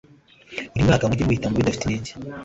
buri mwaka mujye mubitamba bidafite inenge